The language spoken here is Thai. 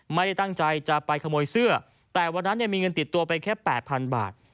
ไม่ได้ตั้งใจจะไปขโมยเสื้อแต่วันนั้นเนี่ยมีเงินติดตัวไปแค่๘๐๐๐บาท